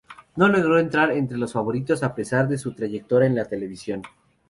No logró entrar entre los favoritos a pesar de su trayectoria en la televisión.